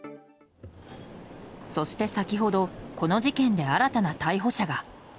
そして先ほどこの事件で新たな逮捕者が。